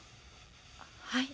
はい？